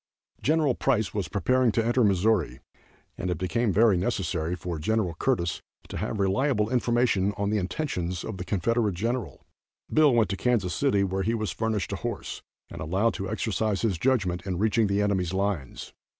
Gen. Price was preparing to enter Missouri, and it became very necessary for Gen. Curtis to have reliable information of the intentions of the Confederate General. Bill went to Kansas City, where he was furnished a horse, and allowed to exercise his judgment in reaching the enemy's lines.